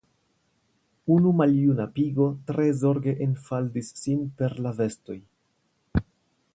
Unu maljuna pigo tre zorge enfaldis sin per la vestoj.